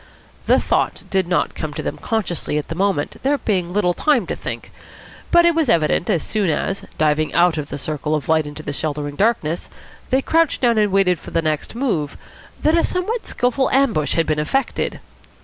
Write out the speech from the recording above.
The thought did not come to them consciously at the moment, there being little time to think, but it was evident as soon as, diving out of the circle of light into the sheltering darkness, they crouched down and waited for the next move, that a somewhat skilful ambush had been effected.